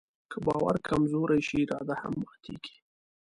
که باور کمزوری شي، اراده هم ماتيږي.